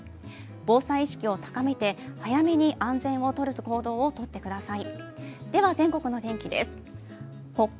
防災意識を高めて、早めに安全をとる行動をとってください。